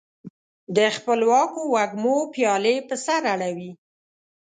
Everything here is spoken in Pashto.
د خپلواکو وږمو پیالي پر سر اړوي